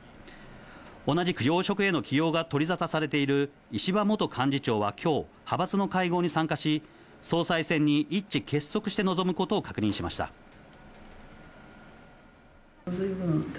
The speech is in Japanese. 同じく要職への起用が取り沙汰されている石破元幹事長はきょう、派閥の会合に参加し、総裁選に一致結束して臨むことを確認しました。